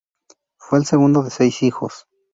Fue el segundo de seis hijos.